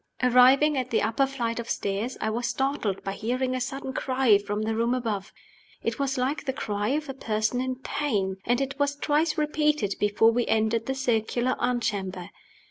Arriving at the upper flight of steps, I was startled by hearing a sudden cry from the room above. It was like the cry of a person in pain; and it was twice repeated before we entered the circular antechamber.